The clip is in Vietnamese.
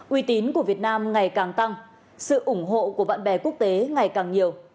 uy tín của việt nam ngày càng tăng sự ủng hộ của bạn bè quốc tế ngày càng nhiều